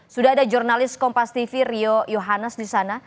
sudah ada jurnalis kompas tv rio yohanes di sana